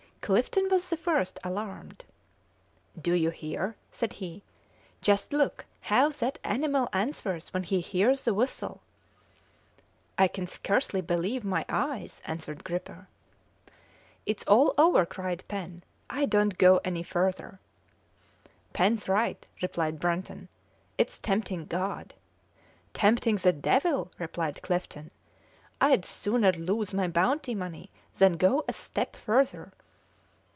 Clifton was the first alarmed. "Do you hear?" said he. "Just look how that animal answers when he hears the whistle." "I can scarcely believe my eyes," answered Gripper. "It's all over!" cried Pen. "I don't go any further." "Pen's right!" replied Brunton; "it's tempting God!" "Tempting the devil!" replied Clifton. "I'd sooner lose my bounty money than go a step further."